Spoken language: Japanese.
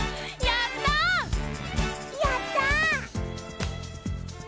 やった！